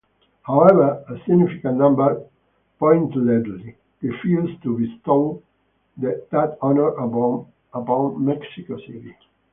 However, a significant number pointedly refused to bestow that honour upon Mexico City.